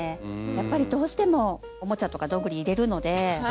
やっぱりどうしてもおもちゃとかどんぐり入れるので。